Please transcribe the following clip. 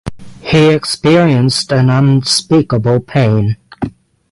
He experienced an unspeakable pain.